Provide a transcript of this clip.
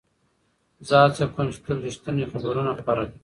زه هڅه کوم چې تل رښتیني خبرونه خپاره کړم.